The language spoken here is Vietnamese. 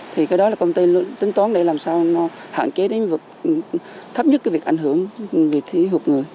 thì cái đó là công ty tính toán để làm sao hạn chế đến vực thấp nhất việc ảnh hưởng về thí hụt người